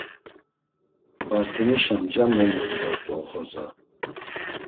Bartinişa mca momiğu dort̆u oxorza.